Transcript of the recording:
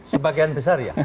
sebagian besar ya